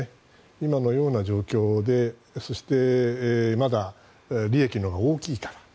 今のような状況で、そしてまだ利益のほうが大きいから。